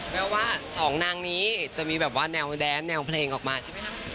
แม้ว่าสองนางนี้จะมีแบบว่าแนวแดนแนวเพลงออกมาใช่ไหมคะ